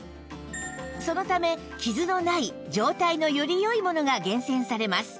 そのため傷のない状態のより良いものが厳選されます